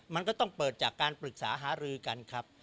มันก็ต้องเปิดจากการปรึกษาหารือกันครับ